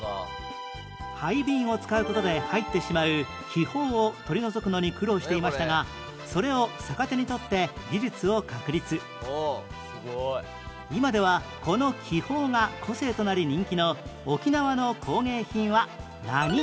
廃瓶を使う事で入ってしまう気泡を取り除くのに苦労していましたがそれを今ではこの気泡が個性となり人気の沖縄の工芸品は何ガラス？